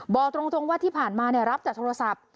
บอกตรงว่าที่ผ่านมารับจากโทรศัพท์